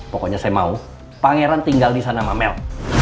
pokoknya saya mau pangeran tinggal disana sama mel